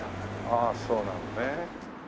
ああそうなのね。